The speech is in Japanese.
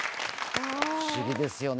不思議ですよね。